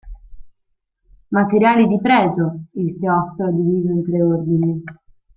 Materiali di pregio, il Chiostro diviso in tre ordini.